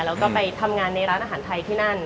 แล้วก็ไปทำงานในร้านอาหารไทยที่นั่น